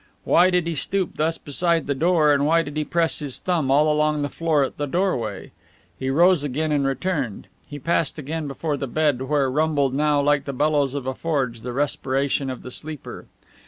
Why did he stoop thus beside the door and why did he press his thumb all along the floor at the doorway? He rose again and returned. He passed again before the bed, where rumbled now, like the bellows of a forge, the respiration of the sleeper.